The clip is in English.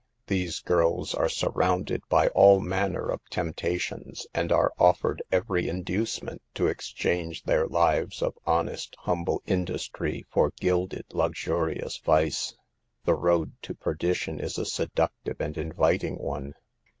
These girls are surrounded by all man ner of temptations and are offered every in ducement to exchange their lives of honest, humble industry for gilded, luxurious vice. The road to perdition is a seductive and invit ing one.